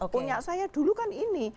punya saya dulu kan ini